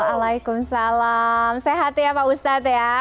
waalaikumsalam sehat ya pak ustadz ya